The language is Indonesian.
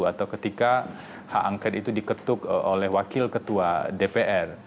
atau ketika hak angket itu diketuk oleh wakil ketua dpr